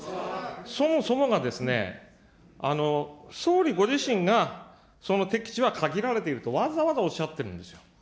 そもそもがですね、総理ご自身がその適地は限られていると、わざわざおっしゃってるんですよ。